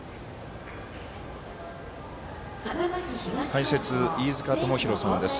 解説は飯塚智広さんです。